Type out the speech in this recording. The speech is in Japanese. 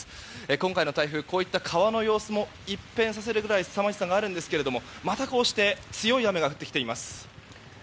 今回の台風こういった川の様子も一変させるくらいすさまじさがあるんですがまたこうして強い雨が降ってきています。